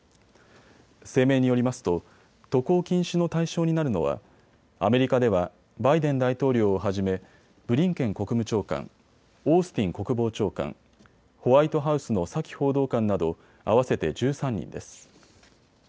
声明によりますと渡航禁止の対象になるのはアメリカではバイデン大統領をはじめブリンケン国務長官、オースティン国防長官、ホワイトハウスのサキ報道官など合わせて１３人です。